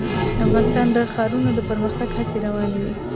افغانستان کې د ښارونه د پرمختګ هڅې روانې دي.